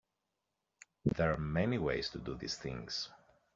There are many ways to do these things.